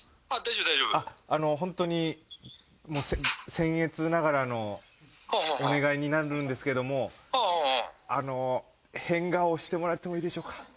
本当に僭越ながらのお願いになるんですけどもあの変顔をしてもらってもいいでしょうか？